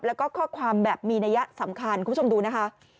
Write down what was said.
แล้วก็ข้อความแบบมีนัยสำคัญคุณผู้ชมดูนะคะ